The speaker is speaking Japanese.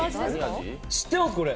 知ってます、これ。